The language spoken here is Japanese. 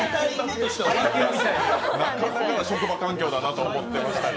なかなかの職場環境だなとは思ってましたが。